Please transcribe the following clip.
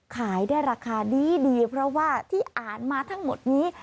ขายได้ราคาดีเพราะว่าที่อ่านมาทั้งหมดนี้